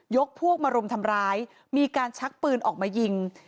พวกมารุมทำร้ายมีการชักปืนออกมายิง